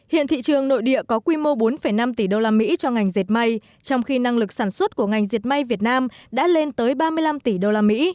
hiện thị trường nội địa có quy mô bốn năm tỷ usd cho ngành diệt may trong khi năng lực sản xuất của ngành diệt may việt nam đã lên tới ba mươi năm tỷ usd